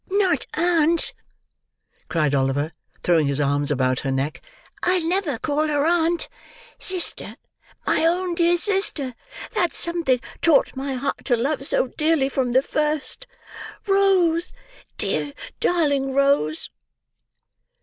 "Not aunt," cried Oliver, throwing his arms about her neck; "I'll never call her aunt—sister, my own dear sister, that something taught my heart to love so dearly from the first! Rose, dear, darling Rose!"